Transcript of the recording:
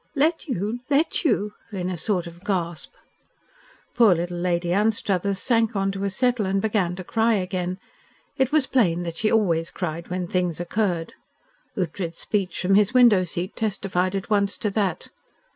"Let you! Let you!" in a sort of gasp. Poor little Lady Anstruthers sank on to a settle and began to cry again. It was plain that she always cried when things occurred. Ughtred's speech from his window seat testified at once to that.